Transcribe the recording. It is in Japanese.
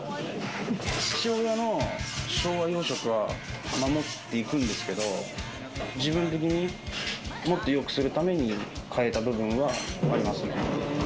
父親の昭和洋食は守っていくんですけど、自分的に、もっとよくするために変えた部分はありますね。